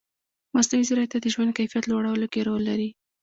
مصنوعي ځیرکتیا د ژوند کیفیت لوړولو کې رول لري.